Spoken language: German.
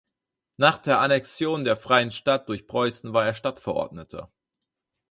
Nach der Annexion der Freien Stadt durch Preußen war er Stadtverordneter.